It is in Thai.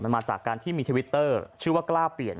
มันมาจากการที่มีทวิตเตอร์ชื่อว่ากล้าเปลี่ยน